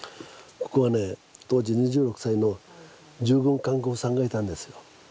ここはね当時２６歳の従軍看護婦さんがいたんですよ。